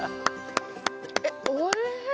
えっおいしい！